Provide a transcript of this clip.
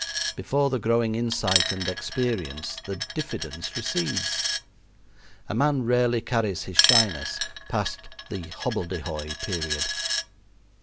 Before the growing insight and experience the diffidence recedes. A man rarely carries his shyness past the hobbledehoy period.